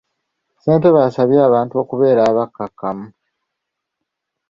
Ssentebe abasabye abantu okubeera abakkakkamu.